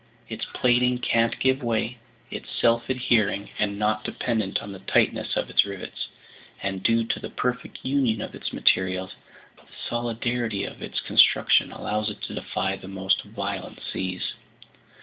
Its plating can't give way; it's self adhering and not dependent on the tightness of its rivets; and due to the perfect union of its materials, the solidarity of its construction allows it to defy the most violent seas.